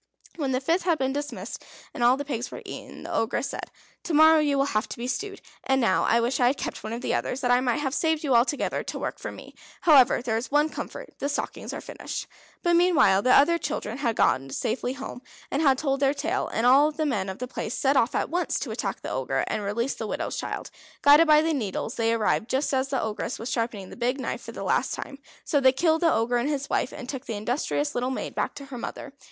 When the fifth had been dismissed, and all the pigs were eaten, the Ogress said: "To morrow you will have to be stewed, and now I wish I had kept one of the others that I might have saved you altogether to work for me. However, there is one comfort, the stockings are finished." But meanwhile the other children had got safely home, and had told their tale. And all the men of the place set off at once to attack the Ogre, and release the widow's child. Guided by the needles, they arrived just as the Ogress was sharpening the big knife for the last time. So they killed the Ogre and his wife, and took the industrious little maid back to her mother.